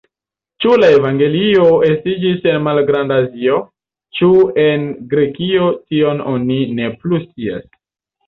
Ĉu la evangelio estiĝis en Malgrandazio, ĉu en Grekio, tion oni ne plu scias.